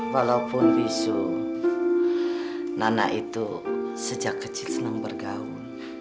walaupun bisu nana itu sejak kecil senang bergaul